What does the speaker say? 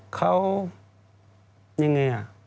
เขายังไงอ่ะ